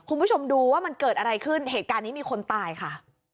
คุณผู้ชมดูว่ามันเกิดอะไรขึ้นเหตุการณ์นี้มีคนตายค่ะ